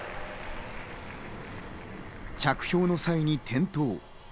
着氷の際に転倒。